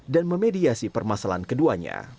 dan memediasi permasalahan keduanya